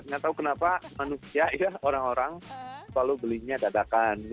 nggak tahu kenapa manusia ya orang orang selalu belinya dadakan